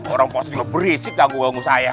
orang pos itu berisik ganggu ganggu saya